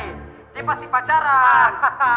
ini pasti pacaran